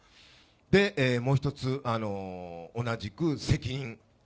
で、もう一つ、同じく責任。